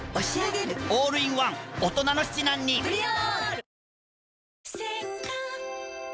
オールインワン大人の七難に「プリオール」